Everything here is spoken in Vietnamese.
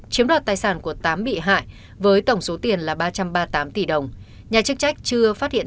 chiếm đoạt tài sản của tám bị hại với tổng số tiền là ba trăm ba mươi tám tỷ đồng nhà chức trách chưa phát hiện